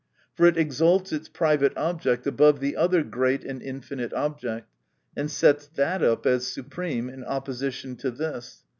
For it exalts its private object above the other great and infinite object ; and sets that up as supreme, in opposition to this.